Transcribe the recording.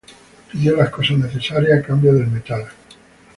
Pidió las cosas necesarias a cambio del metal.